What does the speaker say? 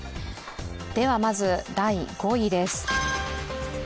ではまず第５位です。